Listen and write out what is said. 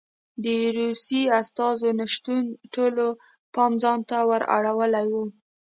د روسیې استازو نه شتون ټولو پام ځان ته ور اړولی و